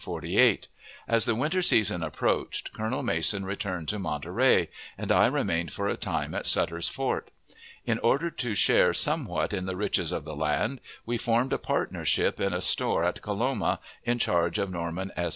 As the winter season approached, Colonel Mason returned to Monterey, and I remained for a time at Sutter's Fort. In order to share somewhat in the riches of the land, we formed a partnership in a store at Coloma, in charge of Norman S.